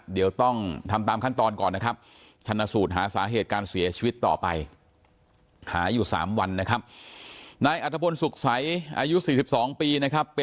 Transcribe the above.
เดี๋ยวต้องทำตามขั้นตอนก่อนนะครับชานะสูตรหาศาเสธการเสียชีวิตต่อไป